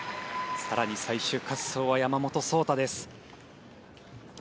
更に、最終滑走は山本草太です。